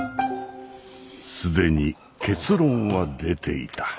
既に結論は出ていた。